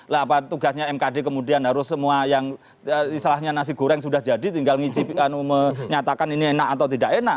lah apa tugasnya mkd kemudian harus semua yang istilahnya nasi goreng sudah jadi tinggal ngicipin menyatakan ini enak atau tidak enak